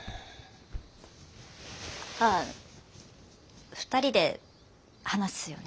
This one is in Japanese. ああ２人で話すよね。